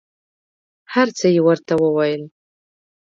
هر څه یې ورته وویل.